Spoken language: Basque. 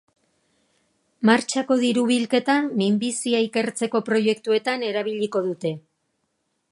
Martxako diru-bilketa minbizia ikertzeko proiektuetan erabiliko dute.